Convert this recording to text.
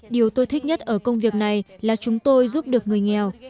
điều tôi thích nhất ở công việc này là chúng tôi giúp được người nghèo